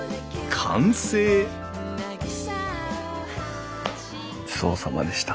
完成ごちそうさまでした。